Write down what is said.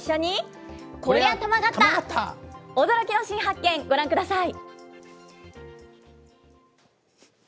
驚きの新発見、ご覧ください。